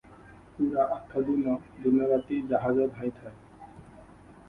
ପୂରା ଆଠ ଦିନ ଦିନ ରାତି ଜାହାଜ ଧାଇଁଥାଏ ।